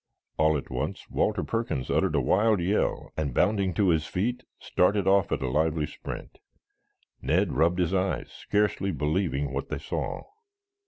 All at once Walter Perkins uttered a wild yell and bounding to his feet started off at a lively sprint. Ned rubbed his eyes, scarcely believing what they saw.